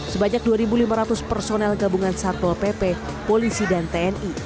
sebanyak dua lima ratus personel gabungan satpol pp polisi dan tni